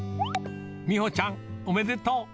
美帆ちゃんおめでとう。